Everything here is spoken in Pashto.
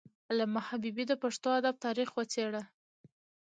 علامه حبيبي د پښتو ادب تاریخ وڅیړه.